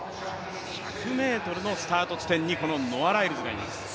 １００ｍのスタート地点に、このノア・ライルズがいます。